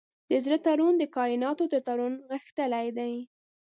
د زړه تړون د کایناتو تر تړون غښتلی دی.